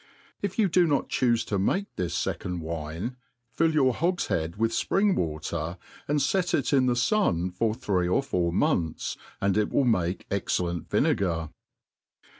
If you do not chufe to make this fe cond wine, fill your hogfhead with fpring water, and fet in in the fun for three qx four months, and it will make excellen| vinegar.